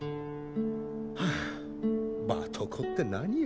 はぁバトコって何よ？